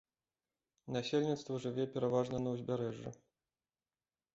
Насельніцтва жыве пераважна на ўзбярэжжы.